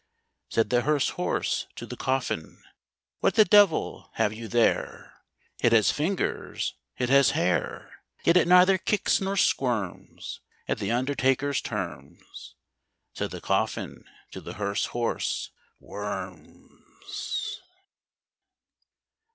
Said the hearse horse to the coffin, "What the devil have you there? It has fingers, it has hair; Yet it neither kicks nor squirms At the undertaker's terms." Said the coffin to the hearse horse, "Worms!"